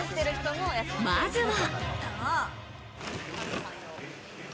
まずは。